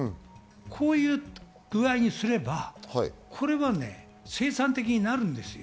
こういう具合にすれば、それは生産的になるんですよ。